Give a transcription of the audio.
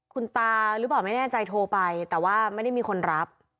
คุณตาหรือเปล่าไม่แน่ใจโทรไปแต่ว่าไม่ได้มีคนรับ